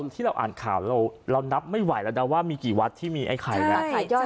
ที่เราอ่านข่าวเรานับไม่ไหวแล้วนะว่ามีกี่วัดที่มีไอ้ไข่แล้ว